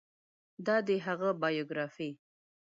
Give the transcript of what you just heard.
دا دی هغه بایوګرافي